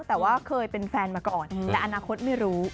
แต่ว่าเคยเป็นแฟนมาก่อนแต่อนาคตไม่รู้